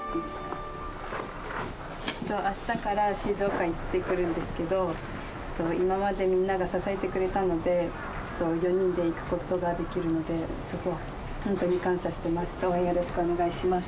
明日から静岡行ってくるんですけど今までみんなが支えてくれたので４人で行くことができるのでそこはホントに感謝しています。